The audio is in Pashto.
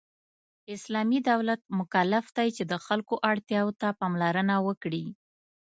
اسلامی دولت مکلف دی چې د خلکو اړتیاوو ته پاملرنه وکړي .